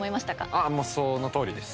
あっもうそのとおりです。